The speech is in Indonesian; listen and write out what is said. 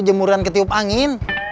jemuran ketiup angin